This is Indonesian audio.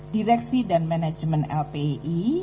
direksi dan manajemen lpi